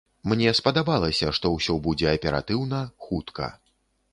Мне спадабалася, што ўсё будзе аператыўна, хутка.